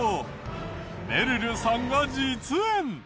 めるるさんが実演。